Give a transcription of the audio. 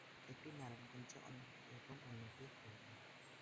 একটি নারায়ণগঞ্জে এবং অন্যটি খুলনায়।